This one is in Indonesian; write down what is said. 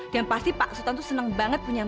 dan pasti pak sultan tuh seneng banget punya mbak